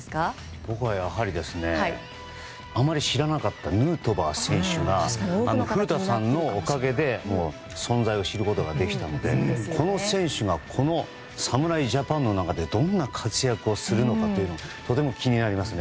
僕はあまり知らなかったヌートバー選手が古田さんのおかげで存在を知ることができたのでこの選手がこの侍ジャパンの中でどんな活躍をするのかがとても気になりますね。